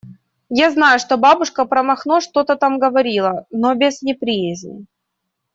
Я знаю, что бабушка про Махно что-то там говорила, но без неприязни.